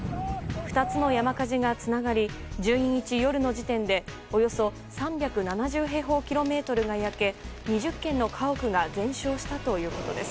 ２つの山火事がつながり１２日夜の時点でおよそ３７０平方キロメートルが焼け２０軒の家屋が全焼したということです。